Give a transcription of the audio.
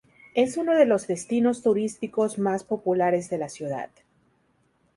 Es uno de los destinos turísticos más populares de la ciudad.